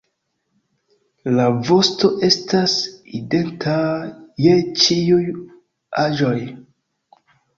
La vosto estas identa je ĉiuj aĝoj.